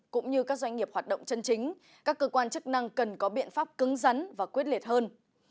cũng như các doanh nghiệp hoạt động chân chính các cơ quan chức năng cần có biện pháp cứng rắn và quyết liệt hơn